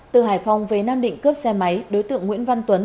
từ hải phòng về nam định cướp xe máy đối tượng nguyễn văn tuấn